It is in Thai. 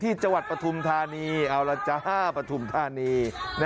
ที่จังหวัดปฐุมธานีเอาล่ะจ๊ะปฐุมธานี